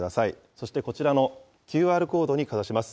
そしてこちらのＱＲコードにかざします。